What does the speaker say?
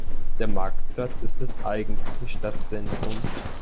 Der Marktplatz ist das eigentliche Stadtzentrum.